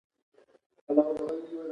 دوه دیرشم سوال د مقایسې په اړه دی.